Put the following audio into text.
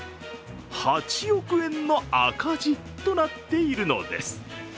８億円の赤字となっているのです。